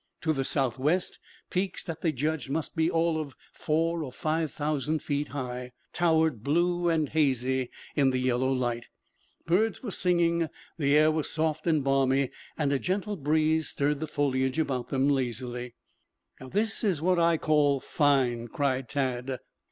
To the southwest, peaks that they judged must be all of four or five thousand feet high, towered blue and hazy in the yellow light. Birds were singing, the air was soft and balmy and a gentle breeze stirred the foliage about them lazily. "This is what I call fine," cried Tad.